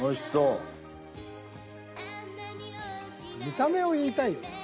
［見た目を言いたいよね。